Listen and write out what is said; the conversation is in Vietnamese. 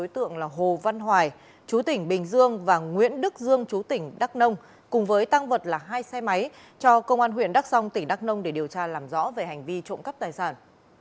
đối tượng là hồ văn hoài chú tỉnh bình dương và nguyễn đức dương chú tỉnh đắk nông cùng với tăng vật là hai xe máy cho công an huyện đắk song tỉnh đắk nông để điều tra làm rõ về hành vi trộm cắp tài sản